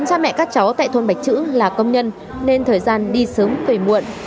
cha mẹ các cháu tại thôn bạch chữ là công nhân nên thời gian đi sớm về muộn